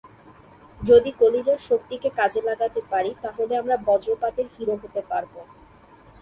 যদি কলিজার শক্তিকে কাজে লাগাতে পারি, তাহলে আমরা বজ্রপাতের হিরো হতে পারব।